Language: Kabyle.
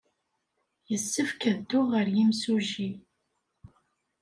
Yessefk ad dduɣ ɣer yimsujji.